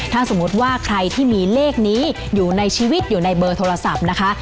ถ้าสมมุติว่าใครที่มีเลขนี้อยู่ในชีวิตอยู่ในเบอร์โทรศัพท์นะคะ